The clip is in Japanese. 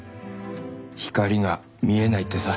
光が見えないってさ。